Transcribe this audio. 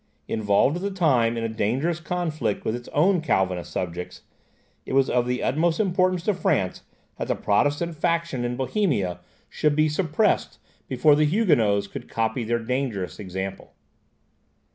Involved at the time in a dangerous conflict with its own Calvinistic subjects, it was of the utmost importance to France that the Protestant faction in Bohemia should be suppressed before the Huguenots could copy their dangerous example.